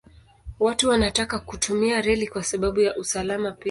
Watu wanataka kutumia reli kwa sababu ya usalama pia.